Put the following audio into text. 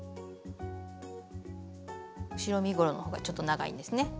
後ろ身ごろのほうがちょっと長いんですね。